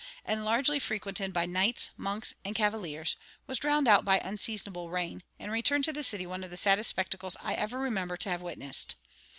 and largely frequented by knights, monks, and cavaliers, was drowned out by unseasonable rain, and returned to the city one of the saddest spectacles I ever remember to have witnessed.